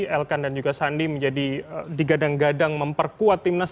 elkan dan juga sandi menjadi digadang gadang memperkuat timnas